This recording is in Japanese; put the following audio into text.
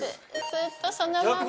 ずっとそのまま。